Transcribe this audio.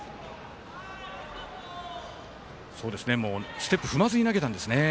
ステップ踏まずに投げたんですね。